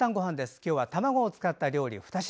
今日は卵を使った料理２品。